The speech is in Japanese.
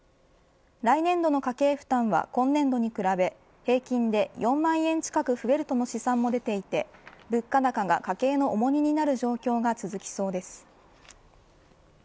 来年度の家計負担は今年度に比べ平均で４万円近く増えるとの試算も出ていて物価高が家計の重荷になる状況が続きそうです。